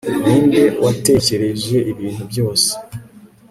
Ninde watekereje ibintu byose